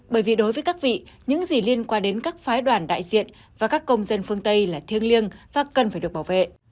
bởi vì đối với các vị những gì liên quan đến các phái đoàn đại diện và các công dân phương tây là thiêng liêng và cần phải được bảo vệ